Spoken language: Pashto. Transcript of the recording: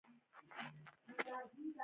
د شبت ګل د غوړ لپاره وکاروئ